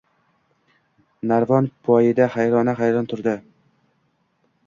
Narvon poyida hayrona-hayrona turdi.